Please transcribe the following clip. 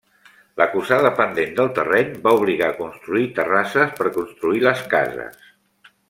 L'acusada pendent del terreny va obligar a construir terrasses per construir les cases.